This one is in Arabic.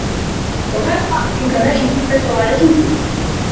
وَقَالَ بَعْضُ الْحُكَمَاءِ الْهِمَّةُ رَايَةُ الْجِدِّ